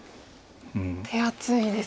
手厚いですね。